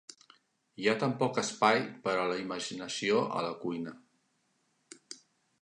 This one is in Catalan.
Hi ha tan poc espai per a la imaginació a la cuina.